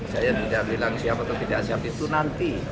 saya tidak bilang siap atau tidak siap itu nanti